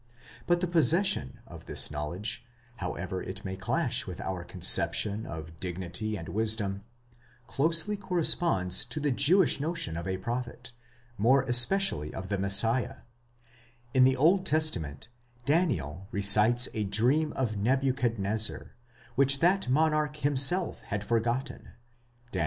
4% But the possession of this knowledge, however it may clash with our conception of dignity and wisdom, closely corresponds to the Jewish notion of a prophet, more especially of the Messiah; in the Old Testament, Daniel recites a dream of Nebuchadnezzar, which that monarch himself had forgotten (Dan.